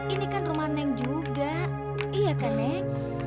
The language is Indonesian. ini kan rumah neng juga iya kan neng